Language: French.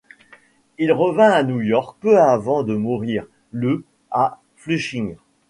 Il revint à New York peu avant de mourir, le à Flushing.